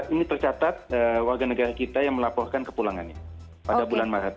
ini tercatat warga negara kita yang melaporkan kepulangannya pada bulan maret